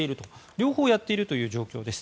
両方やっている状況です。